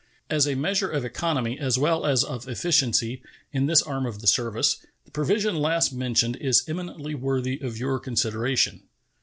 As a measure of economy, as well as of efficiency, in this arm of the service, the provision last mentioned is eminently worthy of your consideration.